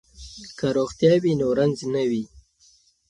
که روغتیا وي نو رنځ نه وي.